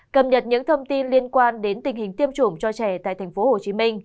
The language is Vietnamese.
cập nhật những thông tin liên quan đến tình hình tiêm chủng cho trẻ tại tp hcm